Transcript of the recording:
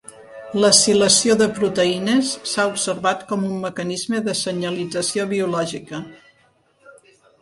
L'acilació de proteïnes s'ha observat com un mecanisme de senyalització biològica.